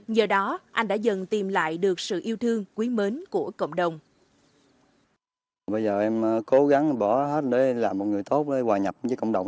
nhờ đó anh đã dần tìm lại được sự yêu thương quý mến của cộng đồng